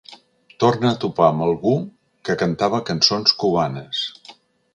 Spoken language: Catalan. Torna a topar amb algú que cantava cançons cubanes.